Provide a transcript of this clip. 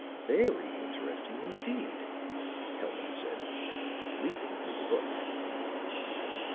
"Very interesting indeed," Hellman said, leafing through the book.